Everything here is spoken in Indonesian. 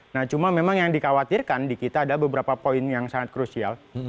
nah cuma memang yang dikhawatirkan di kita ada beberapa poin yang sangat krusial